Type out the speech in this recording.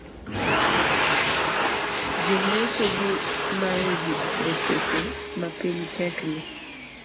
Jomecho gi mayo ji e seche mapiny tek ni.